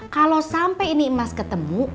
kalau sampai ini emas ketemu